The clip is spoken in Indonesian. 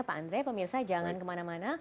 pak andre pak mirsa jangan kemana mana